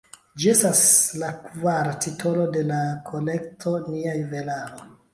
Ĝi estas la kvara titolo de la kolekto Nia Juvelaro.